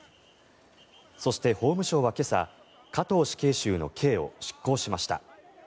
そして、法務省は今朝加藤死刑囚の刑を執行しました。